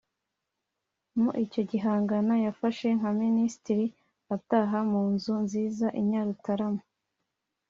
Mu icyo gihangano yafashe nka Minisitiri utaha mu nzu nziza i Nyarutarama